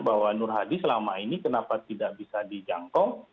bahwa nur hadi selama ini kenapa tidak bisa dijangkau